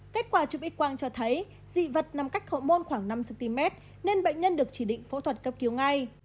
kết quả chụp x quang cho thấy dị vật nằm cách hậu môn khoảng năm cm nên bệnh nhân được chỉ định phẫu thuật cấp cứu ngay